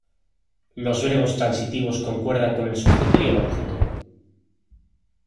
Los verbos transitivos concuerdan con el sujeto y el objeto.